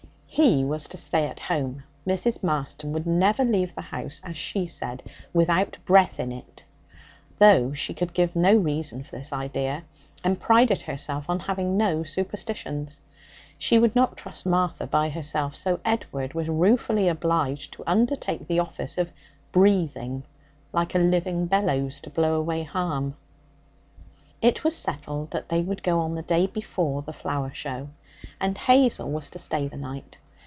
He was to stay at home. Mrs. Marston would never leave the house, as she said, 'without breath in it,' though she could give no reason for this idea, and prided herself on having no superstitions. She would not trust Martha by herself; so Edward was ruefully obliged to undertake the office of 'breathing', like a living bellows to blow away harm. It was settled that they were to go on the day before the flower show, and Hazel was to stay the night.